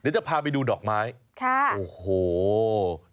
จะพาไปดูดอกไม้โอ้โฮค่ะ